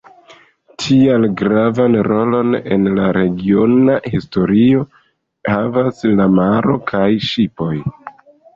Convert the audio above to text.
Tial gravan rolon en la regiona historio havas la maro kaj ŝipoj.